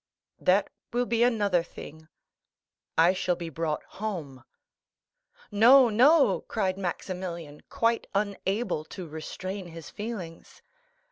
"That will be another thing; I shall be brought home." "No, no," cried Maximilian, quite unable to restrain his feelings.